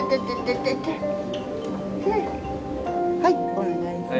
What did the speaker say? お願いします。